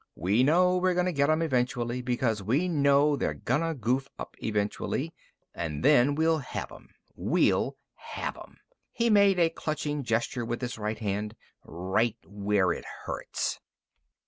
We know we're gonna get 'em eventually, because we know they're gonna goof up eventually, and then we'll have 'em. We'll have 'em" he made a clutching gesture with his right hand "right where it hurts!